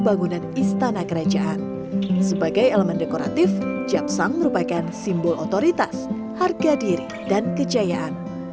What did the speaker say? selain itu keberadaan japsang juga diyakini sebagai penolak bala dan energi negatif